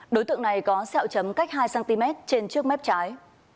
đối tượng này có xeo chấm cách hai cm trên trước mép trái